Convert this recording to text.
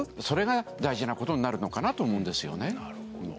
それが大事なことになるのかなと思うんですよね。